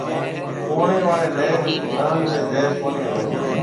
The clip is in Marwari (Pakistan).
پوڻِي آݪي ناگ ۾ زهر ڪونِي هوئي هيَ۔